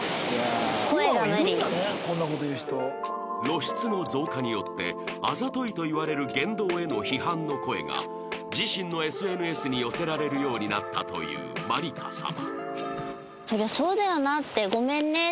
露出の増加によってあざといと言われる言動への批判の声が自身の ＳＮＳ に寄せられるようになったというまりか様